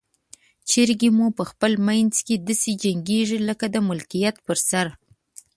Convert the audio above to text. چرګې مو په خپل منځ کې داسې جنګیږي لکه د ملکیت پر سر.